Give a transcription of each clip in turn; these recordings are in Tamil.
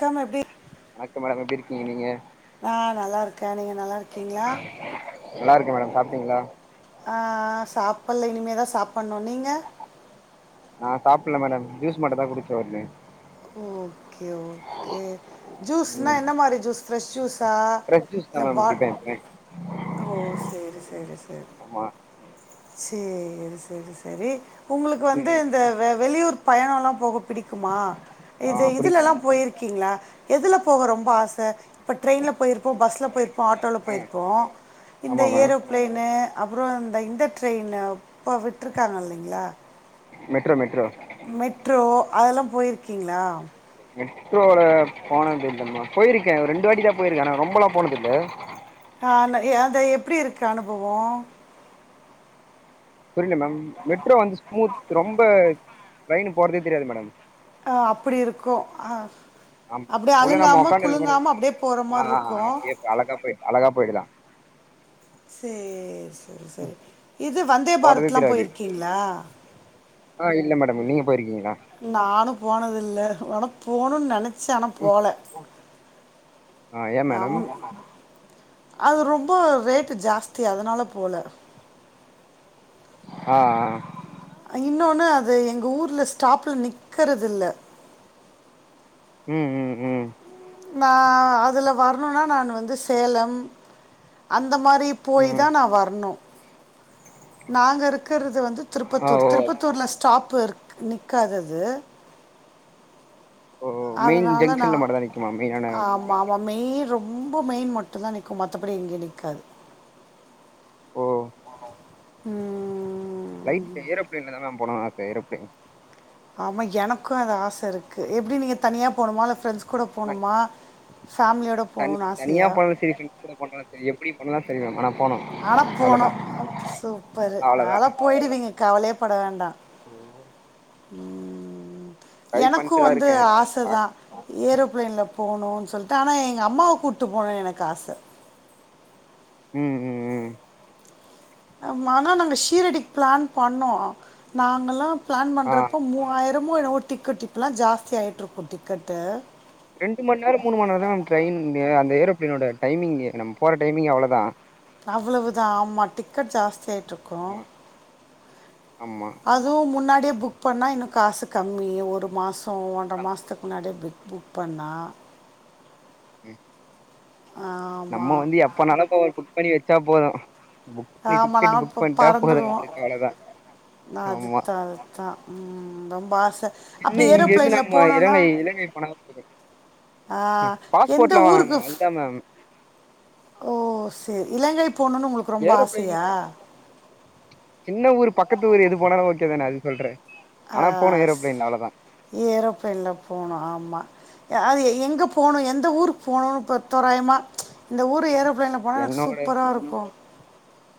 க்காம எப்டி வணக்கம் மேடம் எப்டி இருக்கீங்க நீங்க ஆ நல்லாருக்கேன் நீங்க நல்லாருக்கீங்களா நல்லா இருக்கேன் மேடம் சாப்பிட்டீங்களா ஆ சாப்பிட்ல இனிமே தான் சாப்பிட்ணு நீங்க நா சாப்பிடல மேடம் ஜூஸ் மட்டு தான் குடிச்சோ ஒன்னு ஓகே ஓகே ஜூஸ்னா ம் என்ன மாதிரி ஜூஸ் ஃப்ரெஷ் ஜூஸ்ஸா ஃப்ரெஷ் ஜூஸ் தான் மேடம் குடிப்பேன் எப்போமே ஓ செரி செரி செரி ஆமா செரி செரி செரி உங்களுக்கு வந்து ம் இந்த வெ வெளியூர் பயணோயெல்லா போக பிடிக்குமா ஆ இது இதுல புடிக்கு எல்லா மேம் போயிருக்கீங்களா எதுல போக ரொம்ப ஆச இப்போ ட்ரெயினுல போயிருப்போம் பஸ்ல போயிருப்போம் ஆட்டோல ம் போயிருப்போம் இந்த ஆமா மேம் ஏறோ பிளயினு அப்புறோ இந்த இந்த ட்ரெயினு இப்போ விட்டுருக்காங்க இல்லைங்களா மெட்ரோ மெட்ரோ மெட்ரோ அதெல்லா போயிருக்கீங்களா மெட்ரோல போனது இல்லலைம்மா போயிருக்கேன் ரெண்டு வாட்டி தா போயிருக்கே ஆனா ரொம்பயெல்லா போனது இல்ல ஆனா அந்த எப்டி இருக்கு அனுபவம் புரியல மேம் மெட்ரோ வந்து ஸ்மூத் ரொம்ப ட்ரைனு போறதே தெரியாது மேடம் ஆ அப்டி இருக்கு ஆ ஆமா அப்டியே உள்ள நம்ம அழுங்காம உக்காந்து இருக்க கூட குழுங்காம அப்டியே போற ஆ மாரி இருக்கு அப்டியே அழகா போய் அழகா போயிகலா சேரி சேரி சேரி இது வந்தே போறதே பாரத்துலா தெரியாது போயிருக்கீங்களா ஆ இல்ல மேடம் நீங்க போயிருக்கீங்களா நானு போனதில்ல ஆனா போணும்ன்னு நெனைச்சேன் ஆனா ம் போல ஆ ஏ மேடம் ஆமாமா அது ரொம்ப ரேட்டு ஜாஸ்தி அதனால போல ஆ அ இன்னொன்னு அது எங்க ஊருல ஸ்டாப்புல நிக்கறதில்ல ம் ம் ம் நா அதுல வரணுனா நான் வந்து சேலம் அந்த மாரி போயி ம் தா நா வரணும் நாங்க இருக்கறது வந்து ஆ திருப்பத்தூர் ஓ திருப் பத்தூருல ஸ்டாப்பு இரு நிக்காதது ஓ மெயின் அதனால நா ஜங்ஷன்ல மட்டுந்தா நிக்குமா மெயினான ஆமாம் ஒ மெயின் ரொம்ப மெயின் மட்டும் தா நிக்கு மத்தபடி எங்கேயு நிக்காது ஓ ம் லைஃப்ல ஏரோப்ளைன்ல தா மேம் போனுன் ஆச ஏரோப்ளைன் ஆமா எனக்கு அது ஆசருக்கு எப்பிடி நீங்க தனியா போணுமா இல்ல ஃப்ரெண்ட்ஸ் கூட ஆனா போணுமா ஃபேமிலியோட போ தனி தனியா போணாலு சேரி ஃப்ரெண்ஸ் கூட போணாலு சேரி எப்பிடி போணாலு செரி மேம் ஆனா போனு ஆனா போனு அவ்ளதா சூப்பரு அவ்ளதா அதல போயிடுவீங்க கவலையேப்பட வேண்டா ம் ட்ரை எனக்கு பண்ட்டுதா வந்து இருக்கே ஆசதா பாக் ஏரோப்ளேன்ல போனுன் சொல்ட்டு ஆனா எங்க அம்மாவ கூட்டு போனு எனக்கு ஆச ம் ம் ம் ஆமா ஆனா நாங்க ஷீரடிக் பிளான் பண்ணோ நாங்கலா பிளான் ஆ பண்றப்ப மூவாயி இன்னுமோ என்னவோ டிக்கட் இப்பலா ஜாஸ்தி ஆயிட்ருக்கு டிக்கட்டு ரெண்டு மண்ரோ மூணு மண்ரோந்தா மேம் ட்ரைமிங்கு அந்த ஏரோப்லைனோட டைமிங்கி நம் போர டைமிங்கி அவ்ளோதா அவ்ளோவுதா ஆமா டிக்கட் ஜாஸ்தி ஆயிட்ருக்கு அ ஆமா ஆமா அதுவு முன்னாடியே புக் பண்ணா இன்னு காசு கம்மி ஒரு மாசோ ஒன்ர மாஸ்த்துக்கு முன்னாடியே புக் புக் பண்ணா ம் ஆ நம்ப வந்து எப்பனாலு அதோ புக் பண்ணி வெச்சா போது புக் பண்ணி ஆமா டிக்கெட் நாங்ளா புக் ப்பப் பண்ட்டா போது பறந்துறுவோ நம்மளுக்கு அவ்ளதா நா ஆமா அதுதா அதுதா ம் ரெம்ப ஆச சென்னை இங்கேருந்து நம்ம இலங்கை இலங்கை போனா ஆ, ம் எந்த பாஸ்போர்ட்லா வாங்கணும் ஊருக்கு அதுதா மேம் ஓ செரி இலங்கை போணுன்னு உங்ளுக் ஏரோப்லைன்ல சின்ன ஊரு பக்கத்து ஊரு எது போனாலு ஓகே தானே அது சொல்றே ஆ ஆனா போனு ஸ் ஏரோப்ளைன்ல அவ்ளோதா ஏரோப்லைன்ல போனு ஆமா அது எ எங்கே போனு எந்த ஊருக் போனுன் இப்போ தோறாயமா இந்த ஊரு ஏரோப்லைன்ல போனா என்னோட சூப்பராருக்கு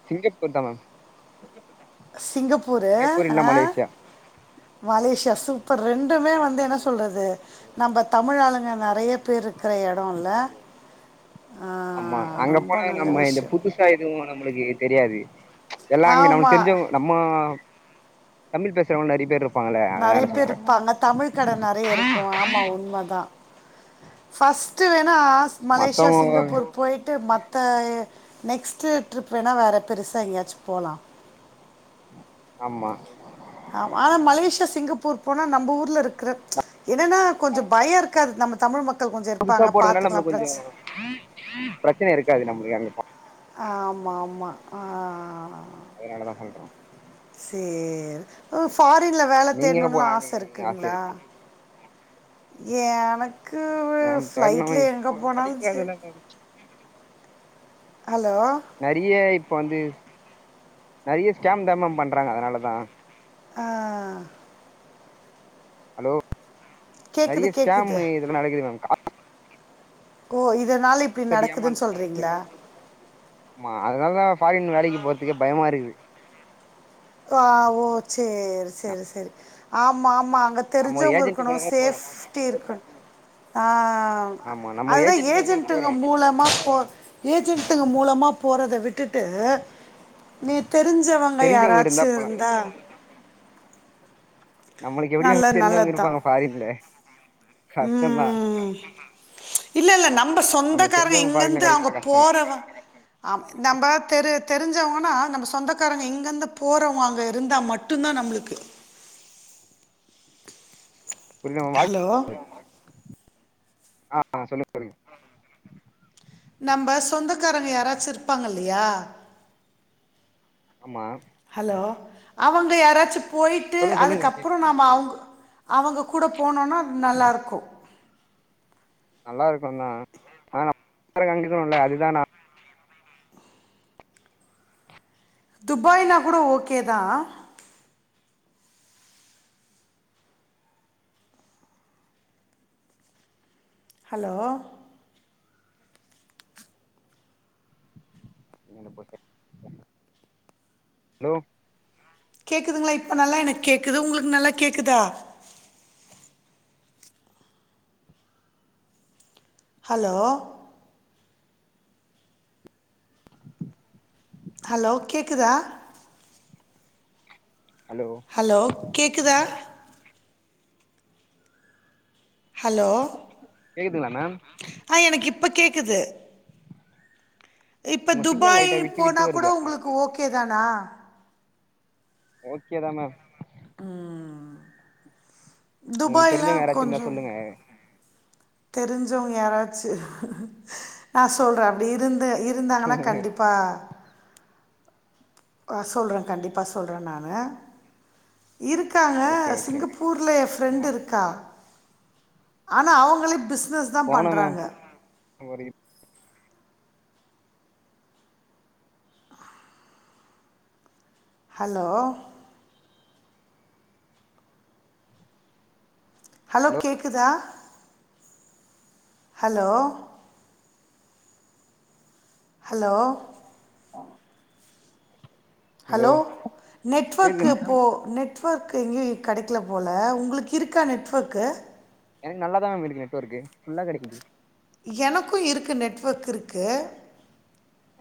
சிங்கப்பூர் தா மேம் சிங்கப்பூரு சிங்கப்பூர் இல்ல அ மலேசியா மலேஷியா சூப்பர் ரெண்டுமே வந்து என்ன சொல்றது நம்ப தமிழ் ஆளுங்க நறைய பேர் இருக்குற எடோல்ல ஆமா அங்க போனா நல்ல நம்ம இந்த விஷயம் புது சா எதுவோ நம்ளுக்கு தெரியாது எல்லா அங்க நம்ளுக் ஆமாம் தெரிஞ்சவங் நம்ம தமிழ் பேசுறவங்க நறைய பேர் இருப் நறைய பேர் இருப்பாங்க தமிழ் கட நெறைய இருக்கோ ஆமா உண்ம தா பஸ்ட்டு வேணா மலேஷியா மத்தவங்க சிங்கப்பூர் போயிட்டு மத்த நெக்ஸ்ட்டு ட்ரிப் வேணா வேறே பெருசா எங்கேயாச் போலா ஆமா ஆமா ஆனா மலேசியா சிங்கப்பூர் போனா நம்ம ஊர்ல இருக்ற என்னனா கொஞ்சோ பயொ இருக்காது நம்ம தமிழ் மக்கள் கொஞ்சோ புதுசா இருப்பாங்க போறதுனால பாத்துக்லா நம்மளுக்கு கொஞ்சோ பிரச் பிரச்சன இருக்காது நம்ளுக்கு அங்க போன ஆமா ஆமா ஆ அதனாலதா சொல்றோ சேல் உ ஃபாரின்ல வேல நீங்க எங்க தேட்ணுன்லா போலான்னு ஆச ஆசையா இருக்குங்ளா இருக்கீங்க ஏனக் கு மேம் தேட்னோ ஃப்ளைட்ல எங்க இப்போ போனாலு சேரி கெடைக்காதுல்ல மேம் ஹலோ நறியே இப்போ வந்து நறியே ஸ்கேம்தா மேம் பண்றாங்க அதனால தா ஆ ஹலோ நறிய கேட்குது ஸ்கேம் கேட்குது இதுல நடக்குது மேம் ஓ இதனால இப்டி கட்டி நடக்குதுன் ஏமாந்துக்கிறாங்க சொல்றீங்ளா ஆமா அதனால்தா ஃபாரின் வேலைக்கு போற்துக்கே பயமா இருக்குது ஆ ஓ சேரி நம் செரி செரி ஆமா ஆமா அங்க நம்ம ஒரு தெரிஞ்சவங்க ஏஜென்ட் இருக்கணு மூலமா போறோ சேஃப்ட்டி இருக்ணு ஆ ஆமா நம்ம ஒரு அதுதா ஏஜென்ட் மூலமா ஏஜென்ட்டுங்க போறோ மூலமா போ ஏஜென்ட்டுங்க மூலமா போறத விட்டுட்டு நீ தெரிஞ்சவங்க தெரிஞ்சவங்க யாராது இருந்தா போலா ந்த நம்மளுக்கு நல்ல எப்டி தெரிஞ்சவங்க நல்லதுதான் இருப்பாங்க பாரின்ல கஷ்டந்தா இல்ல இல்ல நம்ம நம்மளுக்கு சொந்தக்காரங்க தெரிஞ்சவங்க ஃபாரின்ல இங்கந்து அங்க கெடைக்கிறதுலா கஷ்டந்தா போறவ ஆ நம்ம தெரு தெரிஞ்சவங்கன்னா நம்ம சொந்தக்காரங்க இங்கேந்து போறவங்க அங்கே இருந்தா மட்டு மட்டுந்தா நம்மளுக்கு புரிய [inaudible] ஹலோ ஆ சொல்லுங் [unintelligible] நம்ப சொந்தக்காரங்க யாராச்சு இருப்பாங்க இல்லையா ஆமா ஹலோ அவங்க யாராச்சு போயிட்டு சொல்லுங்க சொல்லுங்க மேம் கேக்குது அதுக்கப்ரோ நாம அவ்ங்க அவங்க கூட போனோன்னா அது நல்லாருக்கு நல்லா இருக்குந்தா ஆனா [inaudible] [unintelligible] அதுதா நா துபாய்னா கூட ஓகே தா ஹலோ என்ன [unintelligible] ஹலோ கேக்துங்களா இப்போ நல்லா எனக்கு கேக்குது உங்களுக்கு நல்லா கேக்குதா ஹலோ ஹலோ கேக்குதா ஹலோ ஹலோ கேக்குதா ஹலோ கேக்குதுங்களா மேம் ஆ எனக்கு இப்போ கேகுது இப்ப உங்க சிக்னல் துபாய் லைட்டா விட்டு விட்டு போனாகூட வருது உங்ளுக்கு ஓகே தானா ஓகே தா மேம் உங்களுக்கு துபாய்ல தெரிஞ்சவங்க யாராச்சு இருந்தா கொஞ்சோம் சொல்லுங்க தெரிஞ்சவங்க யாராச்சு நா சொல்றே அப்டி இருந்து இருந்தாங்கன்னா கண்டிப்பா ஆ சொல்றே கண்டிப்பா சொல்றே நானு இருக் காங்க ஓகே ஓகே மேம் சிங்கப்பூர்ல ஏ ஃப்ரெண்டு் ஆ இருக்கா ஆனா அவங்களே பிஸ்னஸ் தா போனே மேம் பண்றாங்க ஒரு ட் ஹலோ ஹலோ கேக்குதா ஹலோ ஹலோ ஹலோ நெட்வர்க்கு கேக்குதுங்களா போ மேம் நெட் நெட்வர்க்கு எங்கேயு கெடக்கல போல உங்களுக்கு இருக்கா நெட்வொர்க்கு எனக்கு நல்லா தா மேம் இருக்கு நெட்வொர்க்கு ஃபுல்லா கெடக்கிது எனக்கும் இருக்கு நெட்வொர்க் இருக்கு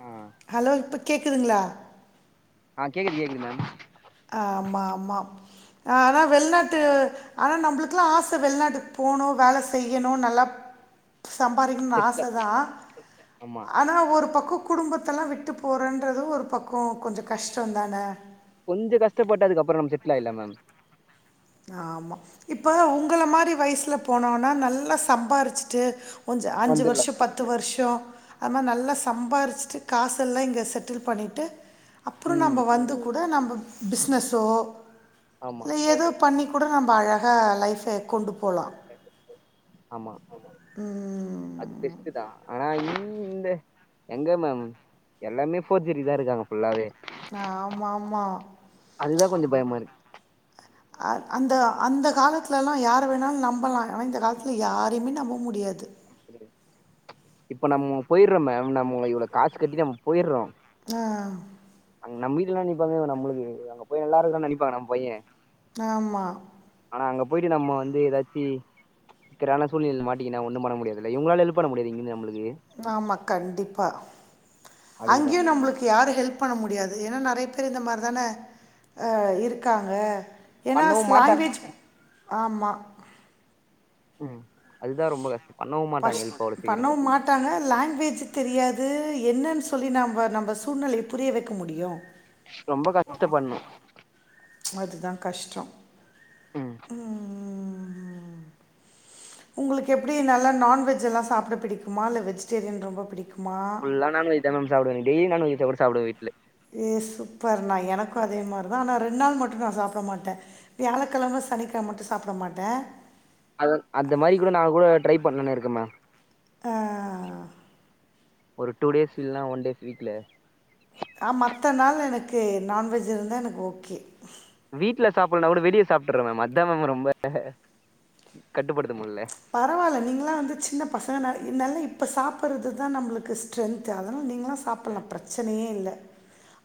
ஆ ஹலோ இப்போ கேக்குதுங்களா ஆ கேக்குது கேக்குது மேம் ஆமா ஆமா ஆனா வெள்நாட்டு ஆனா நம்மளுக்குல்லா ஆச வெள்நாட்டுக்கு போணு வேல செய்யணு நல்லா சம்பாரிக்கணும்னு செட்ல ஆச தா ஆமா ஆனா ஒரு பக்கோ குடும்பத்தெல்லாவிட்டு போறேன்றது ஒரு பக்கோ கொஞ்சோ கஷ்டோ தான கொஞ்சோ கஷ்டப்பட்டதுக்கப்பறோ நாம செட்டில் ஆயிர்லா மேம் ஆமா இப்ப உங்கள மாரி வய்சுல போனோம்னா நல்லா சம்பாரிச்சுட்டு கொஞ்ச அஞ்சு வந்துடலாம் வர்ஷோ பத் து வர்ஷோ அத் மாரி நல்லா சம்பாரிச்சுட்டு காசெல்லா இங்கே செட்டில் பண்ணிட்டு அப்புறோ ம் நம்ப வந்து கூட நம்ம பிஸ்னஸோ ஆமா இல்ல ஏதோ பண்ணி கூட நம்ப அழகா லைஃப கொண்டு போலா ஆமா ம் அது பெஸ்டு தா ஆனா இந்த எங்க மேம் எல்லாமே ஃபோர்ஜரி தா இருக்காங்க ஃபுல்லாவே ஆம்மாம்மா அதுதான் கொஞ்சோ பயமா இருக்கு அந் அந்த அந்த காலத்தல்லா யார வேணாலு நம்பலா ஆனா இந்த காலத்தில யாரையுமே நம்ப முடியாது இப்ப நம்ம போயிர்றோ மேம நம்ம இவ்ளோ காசு கட்டி நம்ம போயிர்றோ ஆ அங்க நம் வீட்லல்லா நிப்பாங்க நம்ளுக்கு அங்க போய் நல்லா இருக்கானானு நினப்பாங்க நம் பையே ஆம்மா அங்க போயிட்டு நம்ம வந்து எதாச்சி இக்கற்றான சூழ்நிலைல மாட்டிகின்னா ஒண்ணு முடியாதுல்ல இவுங்களால ஹெல்ப் பண்ண முடியாதுல்ல இங்குந்து நம்மளுக்கு ஆமா கண்டிப்பா அதுக்குதான் அங்கேயு நம்ளுக்கு யாரு ஹெல்ப் பண்ண முடியாது ஏனா நெறைய பேரு இந்த மாரி தான ஆ இருக்காங்க ஏனா பண்ணவும் மாட்டாங்க ஸ்லாங்குவேஜ் ஆமா ம் அதுதா ரொம்ப கஷ்டோ பஸ் பண்ணவு மாட் ட்டாங்க லாங்குவேஜ் தெரியாது என்னன்னு சொல்லி நம்ம நம்ப சூழ்நிலைய புரிய வக்க முடியு ரொம்ப கஷ்டப்பட்னு அதுதா கஷ்டொ ம் ம் உங்களுக்கு எப்டி நல்லா நான்வெஜ்ல்லா சாப்ட பிடிக்குமா இல்ல வெஜிடேரியன் ரொம்ப பிடிக் ஃபுல்லா நான்வெஜ் தா மேம் சாப்டுவே டெய்லி நான்வெஜ் வெச்சா கூட சாப்டுவே வீட்ல ஏ சூப்பர்ண்ணா எனக்கு அதே மாரி தா ஆனா ரெண்டு நாள் மட்டு நா சாப்ட மாட்டே வியாழக்கெழம சனிக்கெழம மட்டு சாப்ட மாட்டே அத அந்த மாரி கூட நா கூட ட்ரை பண்ணுன்னு இருக்கே மேம் அ ஒரு டூ டேஸ் இல்ன்னா ஒன் டேஸ் வீக்ல ஆ மத்த நாள்ல எனக்கு நான்வெஜ் இருந்தா எனக்கு ஓகே வீட்ல சாப்புட்லனா கூட வெளியே சாப்ட்டுறே மேம் அதா மேம் ரொம்ப கட்டுப்படுத்த முட்ல பரவால்ல நீங்களா வந்து சின்ன பசங்க நல்ல இப்போ சாப்புட்றது தா நம்மளுக்கு ஸ்ட்ரென்த்து அதல்லா நீங்களா சாப்புட்லா பிரச்சனையே இல்ல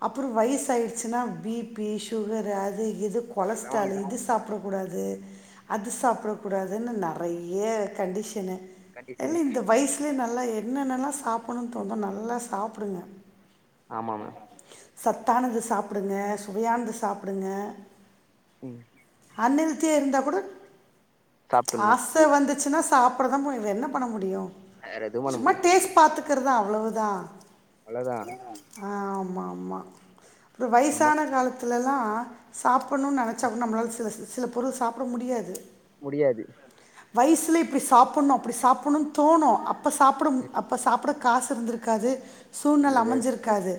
அப்புறு வயசு ஆயிடுச்சுனா பி பி சுகரு அது இது எல்லாம் கொலஸ்ட்ராலு வந்து இது சாப்ட்ற கூடாது அது சாப்புடக் கூடாதுன்னு நெறைய கண்டிஷனு இல்ல கண்டிஷன் இந்த வயசுலே நல்லா என்னெனல்லா சாப்ட்ணுனு தோணுதோ நல்லா சாப்புடுங்க ஆமா மேம் சத்தானது சாப்புடுங்க சுவையானது சாப்டுங்க ம் அன் ஹெல்த்தியா இருந்தா குடொ சாப்ட்டுணும் ஆச வந்துச்சுன்னா சாப்புடதா முடியு வேற என்ன பண்ண முடிய வேற எதுவும் பண்ண சும்மா முடியாது டேஸ்ட் பாக் குறதா அவ்ளோதா அவ்ளதா ஆ ஆமா ஆமா அப்றொ வயசான நம்மளால காலத் துலலா சாப்புட்ணுனு நெனச்சா கூட நம்மளால சில சில பொருள் சாப்புட முடியாது முடியாது வயிசுல இப்டி சாப்புட்ணு அப்டி சாப்புட்ணுனு தோணு அப்ப சாப்புட மு ம் அப் அப்ப சாப்புட காசு இருந்துருக்காது சூழ்நெல இருந்திருக்காரு அமஞ்சிருக்காது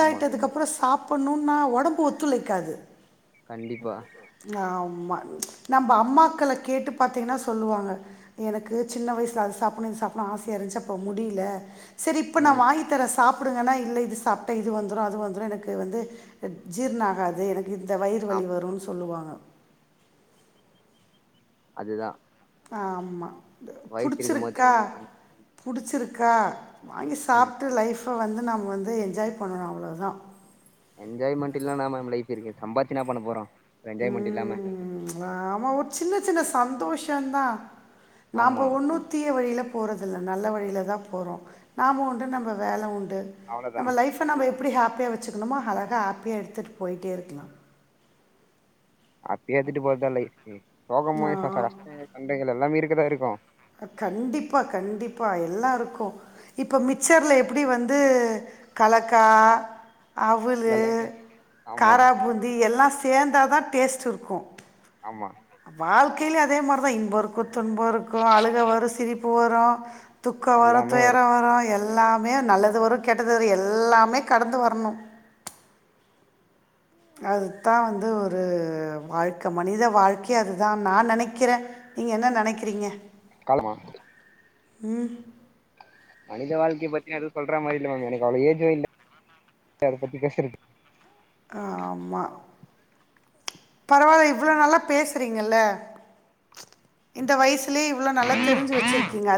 ஆமா அப் ப்பறொ சாப்புட்ணுனா ஒடம்பு ஒத்துழைக்காது கண்டிப்பா ஆமா நம்ப அம்மாக்கள கேட்டு பாத்திங்கன்னா சொல்லுவாங்க எனக்கு சின்ன வயசுல அது சாப்புட்னு இது சாப்புட்னு ஆசையா இருந்ச்சு அப்ப முடியல செரி இப்ப நா ம் வாங்கி தரெ சாப்புடுங்கனா இல்ல இது சாப்ட்டா இது வந்துரு அது வந்துரு எனக்கு வந்து ஜீர்ண ஆகாது எனக் இந்த வயிறு வலி ஆம் வருனு சொல்லுவாங்க அது தா ஆமா இருக்கும் போதே புடுச்சுருக்கா கட் பண்ணி புடுச்சுருக்கா வாங்கி ம் சாப்ட்டு லைஃப்ப வந்து நம்ம வந்து என்ஜாய் பண்ணனு அவ்ளோ தா என்ஜாய்மெண்ட் இல்லனா மேம் லைஃப் இருக்கு சம்பாச்சு இன்ன பண்ண போறோ ஒரு என்ஜாய்மெண்ட் இல்லாம ம், ஆமா ஒரு சின்ன சின்ன சந்தோஷந் தா நாம்ப ஆமா ஒன்னு தீய வழியில போறதில்ல நல்ல வழில தா போறோ நாம உண்டு நம்பப வேல உண்டு அவ்ளோதான் நம்ம லைஃப்ப நம்ம எப்டி ஹாப்பியா வச்சுக்கணுமோ அழகா ஹாப்பியா எடுத்துட்டு போயிட்டே இருக்கலா அப்டியே எடுத்துட்டு போறத்தா லைஃப்பெ சோகமு நான் கஷ்டங்கள் சண்டைகள் எல்லாமே இருக்கதா இருக்கு கண்டிப்பா கண்டிப்பா எல்லாருக்கு இப்ப மிச்சர்ல எப்டி வந்து கலக்கா அவுலு எல்லாமே ஆமா காரா பூந்தி எல்லா சேந்தா தா டேஸ்ட் இருக்கு ஆமா வாழ்க்கையிலே அதே மாரிதா இன்போ இருக்கு துன்போ இருக்கு அழுக வரு சிரிப்பு வரு துக்கோ வரு எல்லாமே வரும் துயரோ வரு எல்லாமே நல்லது வரு கெட்டது வரு எல்லாமே கடந்து வரணு அதுதா வந்து ஒரு வாழ்க்க மனித வாழ்க்கையே அதுதா நா நெனைக்கிறே நீங்க என்ன நெனக்கிறீங்க காலமா ம் மனித வாழ்க்கை பத்தி நா எது சொல்ற மாரி இல்ல மேம் எனக்கு அவ்ளோ ஏஜு இல்ல அத பத்தி பேசுறது கா ஆமா பரவால்ல இவ்ளோ நல்லா பேசுறீங்கல்ல இந்த வயசுலயே இவ்ளோ நல்லா தெரிஞ்சு வச்சிருக்கீங்க